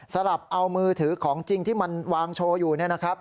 สลับเอามือถือของจริงที่มันวางโชว์อยู่